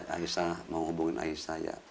aisah mau hubungin aisah ya